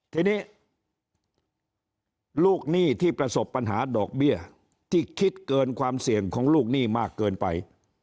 ทีนี้ลูกหนี้ที่ประสบปัญหาดอกเบี้ยที่คิดเกินความเสี่ยงของลูกหนี้มากเกินไป